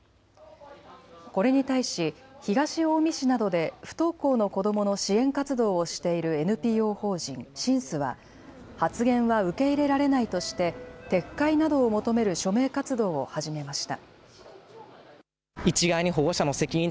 これに対し東近江市などで不登校の子どもの支援活動をしているＮＰＯ法人Ｓｉｎｃｅは発言は受け入れられないとして撤回などを求める署名活動を始めました。